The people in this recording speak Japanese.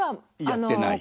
やってない。